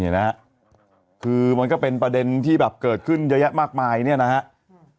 นี่นะฮะคือมันก็เป็นประเด็นที่แบบเกิดขึ้นเยอะแยะมากมายเนี่ยนะครับ